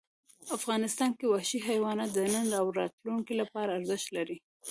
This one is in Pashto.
افغانستان کې وحشي حیوانات د نن او راتلونکي لپاره ارزښت لري.